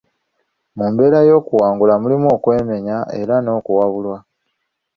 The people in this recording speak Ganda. Mu mbeera y'okuwangula mulimu okwemenya era n'okuwabulwa.